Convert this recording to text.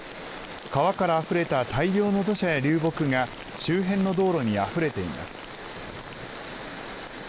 川からあふれた大量の土砂や流木が周辺の道路にあふれています。